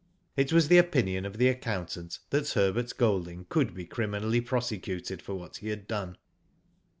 It was the opinion of the accountant that Herbert Golding could be criminally prosecuted for what he had done.